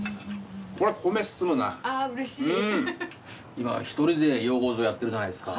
今１人で養蜂場やってるじゃないですか？